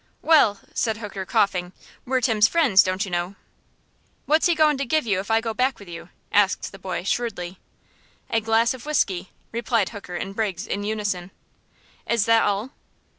"Well," said Hooker, coughing, "we're Tim's friends, don't you know." "What's he goin' to give you if I go back with you?" asked the boy, shrewdly. "A glass of whiskey!" replied Hooker and Briggs in unison. "Is that all?"